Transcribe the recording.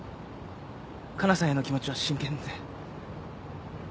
かなさんへの気持ちは真剣で。